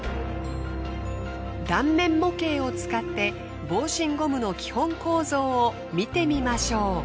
断面模型を使って防振ゴムの基本構造を見てみましょう。